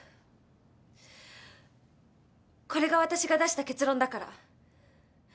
これが私が出した結論だから。